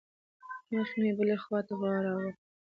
مخ مې بلې خوا ته واړاوه.